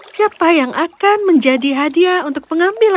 siapa yang akan menjadi hadiah untuk pengambilan